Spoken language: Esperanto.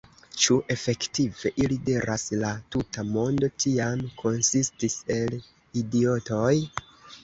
« Ĉu efektive », ili diras, « la tuta mondo tiam konsistis el idiotoj?"